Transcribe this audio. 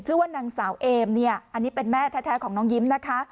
ชื่อว่านางสาวเอมเนี่ยอันนี้เป็นแม่แท้ของน้องยิ้มนะคะ